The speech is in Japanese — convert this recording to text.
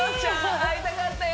会いたかったよ！